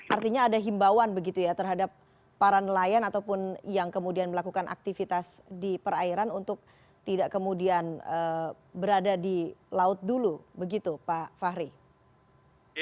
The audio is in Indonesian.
artinya ada himbauan begitu ya terhadap para nelayan ataupun yang kemudian melakukan aktivitas di perairan untuk tidak kemudian berada di laut dulu begitu pak fahri